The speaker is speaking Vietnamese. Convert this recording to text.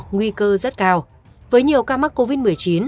nguy cơ rất cao với nhiều ca mắc covid một mươi chín